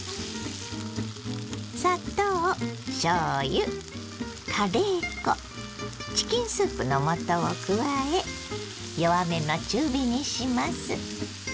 砂糖しょうゆカレー粉チキンスープの素を加え弱めの中火にします。